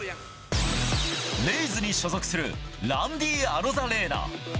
レイズに所属するランディ・アロザレーナ。